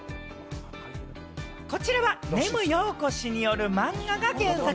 こちらは、ねむようこ氏による漫画が原作。